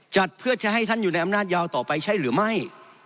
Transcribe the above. จัดเพื่อจะให้ท่านอยู่ในอำนาจยาวต่อไปใช่หรือไม่